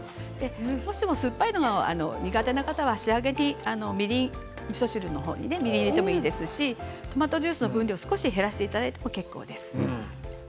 もしも酸っぱいのが苦手な方は仕上げにみりんをみそ汁の方に入れていただいてもいいですしトマトジュースの分量を少し減らしていただいても結構です。